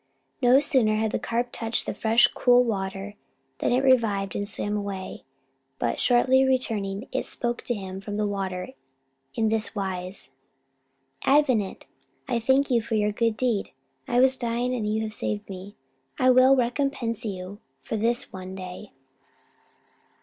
No sooner had the carp touched the fresh cool water than it revived and swam away; but shortly returning, it spoke to him from the water in this wise: "Avenant, I thank you for your good deed. I was dying, and you have saved me: I will recompense you for this one day."